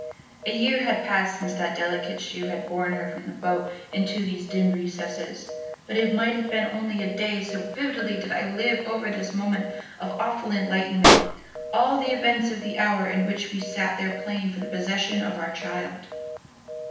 A year had passed since that delicate shoe had borne her from the boat into these dim recesses; but it might have been only a day, so vividly did I live over in this moment of awful enlightenment all the events of the hour in which we sat there playing for the possession of our child.